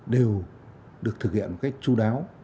đều được thực hiện cách chú đáo